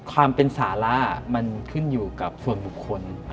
ความเป็นสาระมันขึ้นอยู่กับส่วนบุคคล